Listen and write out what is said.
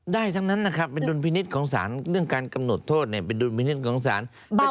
ทั้งนั้นนะครับเป็นดุลพินิษฐ์ของสารเรื่องการกำหนดโทษเป็นดุลพินิษฐ์ของศาล